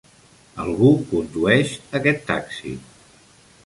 Algú condueix aquest taxi.